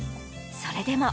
それでも。